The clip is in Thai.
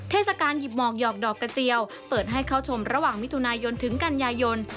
เทศกาลหยิบหมอกหยอกดอกกระเจียวเปิดให้เข้าชมระหว่างมิถุนายนถึงกันยายน